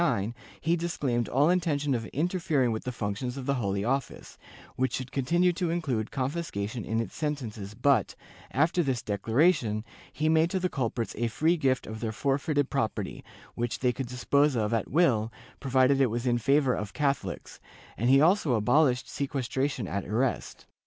282 JEWS [Book VIII in his decree of February 6, 1649, he disclaimed all intention of interfering with the functions of the Holy Office, which should continue to include confiscation in its sentences but, after this declaration, he made to the culprits a free gift of their forfeited property, which they could dispose of at will, provided it was in favor of Catholics, and he also abolished sequestration at arrest.